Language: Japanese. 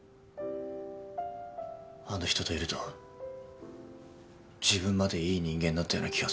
あの人といると自分までいい人間になったような気がするんだ。